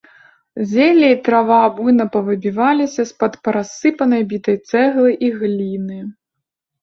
Зелле і трава буйна павыбіваліся з-пад парассыпанай бітай цэглы і гліны.